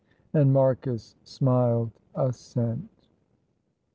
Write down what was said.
And Marcus smiled assent.